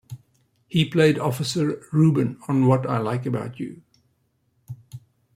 He played Officer Rubin on "What I Like About You".